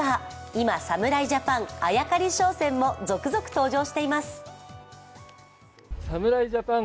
今、侍ジャパンあやかり商戦も続々登場しています。